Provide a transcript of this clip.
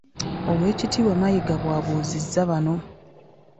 Oweekitiibwa Mayiga bw'abuuzizza bano